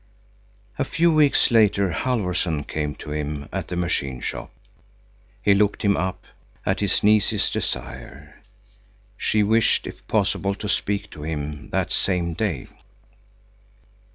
A few weeks later Halfvorson came to him at the machine shop. He looked him up, at his niece's desire. She wished, if possible, to speak to him that same day.